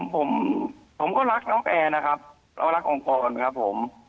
ผมก็รักนกแอร์นะครับเรารักองค์กรครับผม